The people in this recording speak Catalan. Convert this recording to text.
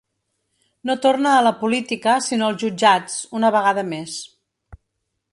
No torna a la política, sinó als jutjats, una vegada més.